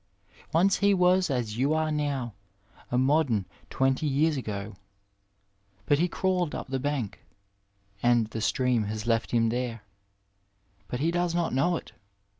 Once he was as you are now, a modem, twenty years ago ; but he crawled up the bank, and the stream has left him there, but he does not know it.